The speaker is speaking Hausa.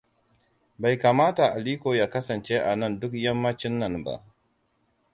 Bai kamata Aliko ya kasance anan duk yammacin nan ba.